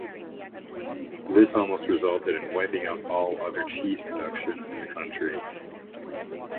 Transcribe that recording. This almost resulted in wiping out all other cheese production in the country.